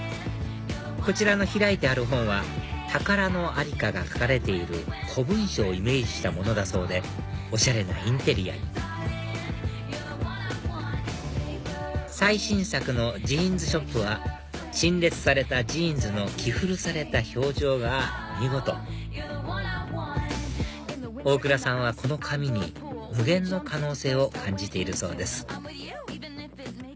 こちらの開いてある本は宝の在りかが書かれている古文書をイメージしたものだそうでおしゃれなインテリアに最新作のジーンズショップは陳列されたジーンズの着古された表情が見事大倉さんはこの紙に無限の可能性を感じているそうです